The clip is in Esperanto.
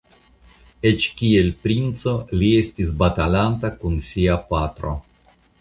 Eĉ kiel princo li estis batalanta kun sia patro.